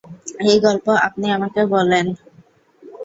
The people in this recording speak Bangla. এই গল্প আপনি আমাকে বলেন।